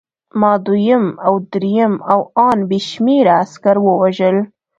ما دویم او درېیم او ان بې شمېره عسکر ووژل